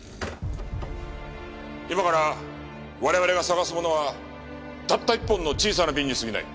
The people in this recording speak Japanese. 今から我々が探すものはたった一本の小さな瓶にすぎない。